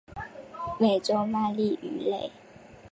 美洲鳗鲡鱼类。